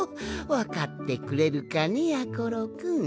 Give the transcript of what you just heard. わかってくれるかねやころくん。